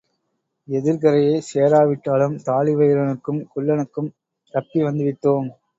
எதிர்க்கரையைச் சேராவிட்டாலும் தாழி வயிறனுக்கும் குள்ளனுக்கும் தப்பி வந்துவிட்டோம்.